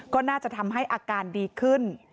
ก็น่าจะทำให้อาการดีขึ้น